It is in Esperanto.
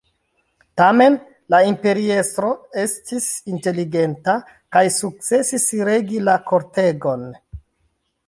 Tamen, la imperiestro estis inteligenta kaj sukcesis regi la kortegon.